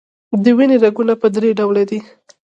د وینې رګونه په دری ډوله دي.